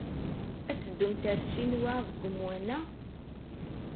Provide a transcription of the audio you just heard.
Ad teddumt ɣer Ccinwa deg wemwan-a?